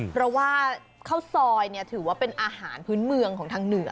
เพราะว่าข้าวซอยถือว่าเป็นอาหารพื้นเมืองของทางเหนือ